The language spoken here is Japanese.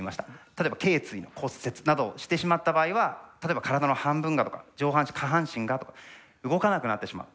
例えばけい椎の骨折などをしてしまった場合は例えば体の半分がとか上半身下半身がとか動かなくなってしまう。